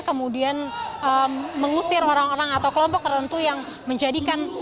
kemudian mengusir orang orang atau kelompok tertentu yang menjadikan